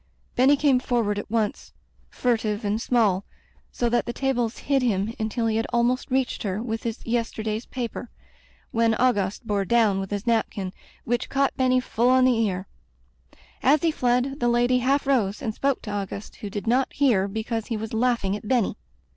Benny came forward at once, furtive and small, so that the tables hid him until he had [i6] Digitized by LjOOQ IC A Tempered Wind almost reached her with his, yesterday's pa per, when Auguste bore down with his nap kin, which caught Benny full on the ear. As he fled, the lady half rose and spoke to Auguste, who did not hear because he was laughing at Benny.